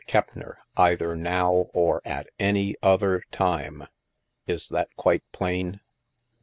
Keppner ... either ... now ... or ... at ... any ... other time! Is that quite plain?"